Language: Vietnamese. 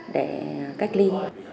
để cách ly